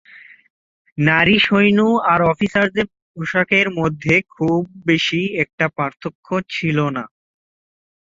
নারী সৈন্য আর অফিসারদের পোশাকের মধ্যে খুব বেশি একটা পার্থক্য ছিলোনা।